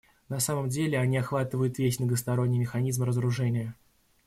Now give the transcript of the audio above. На самом деле они охватывают весь многосторонний механизм разоружения.